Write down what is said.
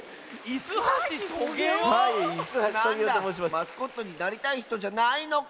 マスコットになりたいひとじゃないのか。